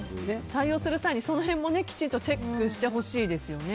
採用する際にその辺もきちんとチェックしてほしいですね。